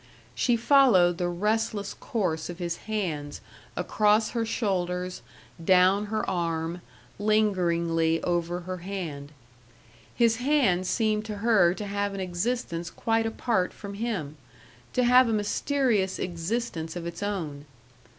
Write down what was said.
She followed the restless course of his hands across her shoulders, down her arm, lingeringly over her hand. His hand seemed to her to have an existence quite apart from him, to have a mysterious existence of its own.